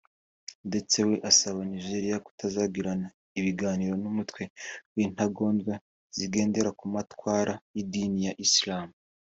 ndetse we asaba Nigeria kutazagirana ibiganiro n’umutwe w’intagondwa zigendera ku matwara y’idini ya Islam